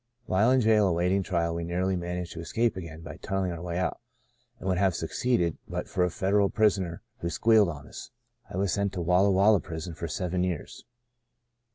While in jail awaiting trial, we nearly managed to escape again by tun nelling our way out, and would have suc ceeded but for a Federal prisoner who * squealed * on us. I was sent to Walla Walla Prison for seven years.